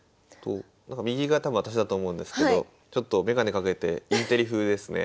右が多分私だと思うんですけどちょっと眼鏡かけてインテリ風ですね。